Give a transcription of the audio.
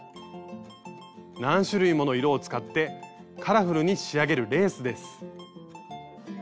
何種類もの色を使ってカラフルに仕上げるレースです。